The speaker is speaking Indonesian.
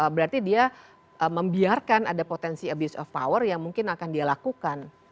berarti dia membiarkan ada potensi abuse of power yang mungkin akan dia lakukan